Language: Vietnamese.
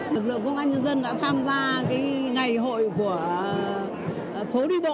lực lượng công an nhân dân đã tham gia ngày hội của phố đi bộ